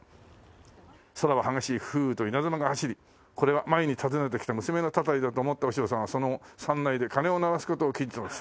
「空は激しい風雨と稲妻が走りこれは前に訪ねて来た娘の祟りだと思った和尚さんはその後山内で鐘を鳴らすことを禁じたのでした」